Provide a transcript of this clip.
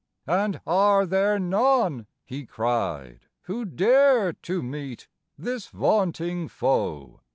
"And are there none," he cried, "who dare to meet this vaunting foe?